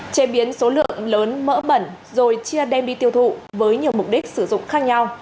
chế biến số lượng lớn mỡ bẩn rồi chia đem đi tiêu thụ với nhiều mục đích sử dụng khác nhau